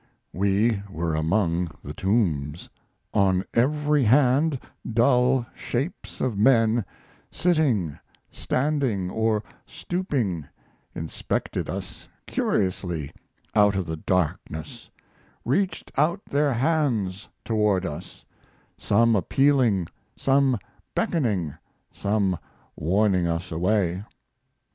We were among the tombs; on every hand dull shapes of men, sitting, standing, or stooping, inspected us curiously out of the darkness reached out their hands toward us some appealing, some beckoning, some warning us away.